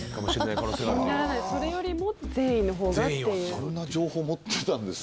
それよりも善意のほうがっていう。